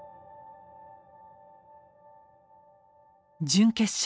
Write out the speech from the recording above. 準決勝